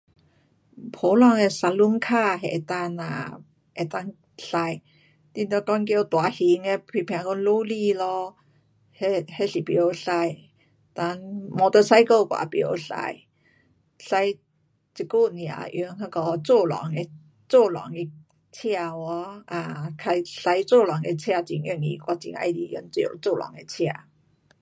普通的 saloon car 那能够呐，能够驾。你若讲叫大型的，譬如讲罗厘咯，那，那是不晓驾，哒 motorcycle 我有不晓驾。驾，这久不也用那个自动的，自动的车有哦？啊，驾自动的车很容易。我很喜欢用，自，自动的车。